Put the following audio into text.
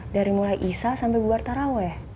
dari mulai isa sampai bubar taraweh